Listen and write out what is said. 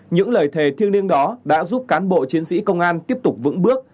những lời thề thiêng liêng đó đã giúp cán bộ chiến sĩ công an tiếp tục vững bước